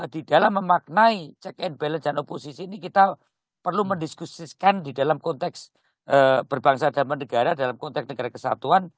di dalam memaknai check and balance dan oposisi ini kita perlu mendiskusiskan di dalam konteks berbangsa dan menegara dalam konteks negara kesatuan